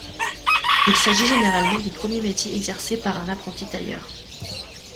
Il s'agit généralement du premier métier exercé par un apprenti-tailleur.